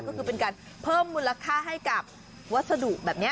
ก็คือเป็นการเพิ่มมูลค่าให้กับวัสดุแบบนี้